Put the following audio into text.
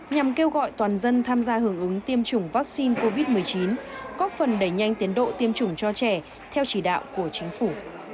nhằm kêu gọi toàn dân tham gia hưởng ứng tiêm chủng vaccine covid một mươi chín góp phần đẩy nhanh tiến độ tiêm chủng cho trẻ theo chỉ đạo của chính phủ